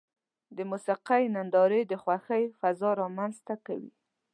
د موسیقۍ نندارې د خوښۍ فضا رامنځته کوي.